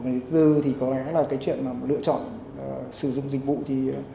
một cái thứ thì có lẽ là cái chuyện lựa chọn sử dụng dịch vụ thì